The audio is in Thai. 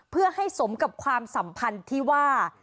เพื่อให้สมกับความสัมพันธ์ที่ว่า